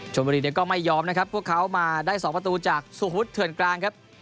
บุรีเนี่ยก็ไม่ยอมนะครับพวกเขามาได้๒ประตูจากสุฮุทเถื่อนกลางครับ